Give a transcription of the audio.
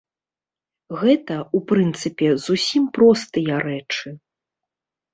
Гэта, у прынцыпе, зусім простыя рэчы.